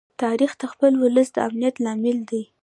تاریخ د خپل ولس د امانت لامل دی.